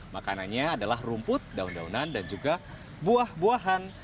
makanannya adalah rumput daun daunan dan juga buah buahan